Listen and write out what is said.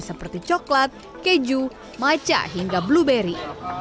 seperti coklat keju macha hingga blueberry